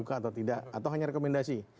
atau tidak atau hanya rekomendasi